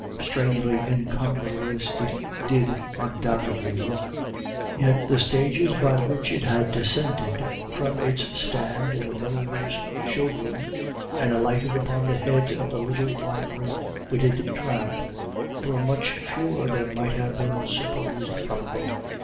Strangely incongruous it did undoubtedly look; yet the stages by which it had descended from its stand in the milliner's show room and alighted upon the head of the little wandering witted tramp, were much fewer than might have been supposed probable.